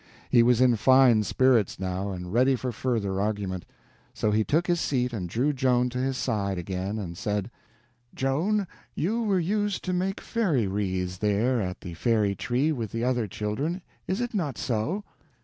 He was in fine spirits now, and ready for further argument, so he took his seat and drew Joan to his side again, and said: "Joan, you were used to make wreaths there at the Fairy Tree with the other children; is it not so?"